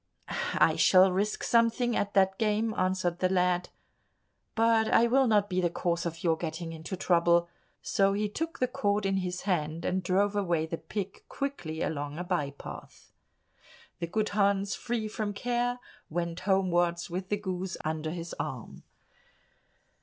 "I shall risk something at that game," answered the lad, "but I will not be the cause of your getting into trouble." So he took the cord in his hand, and drove away the pig quickly along a by path. The good Hans, free from care, went homewards with the goose under his arm.